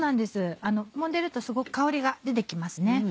もんでるとすごく香りが出て来ます。